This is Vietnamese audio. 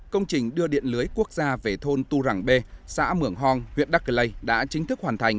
công trình đưa điện lưới quốc gia về thôn tu rằng b xã mường hong huyện đắc lây đã chính thức hoàn thành